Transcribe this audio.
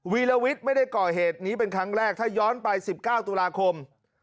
ีลวิทย์ไม่ได้ก่อเหตุนี้เป็นครั้งแรกถ้าย้อนไป๑๙ตุลาคม